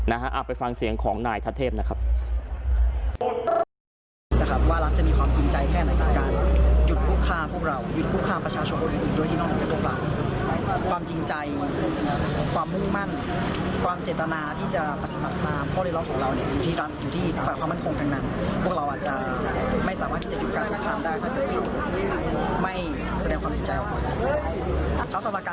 นะฮะไปฟังเสียงของนายทัศเทพนะครับ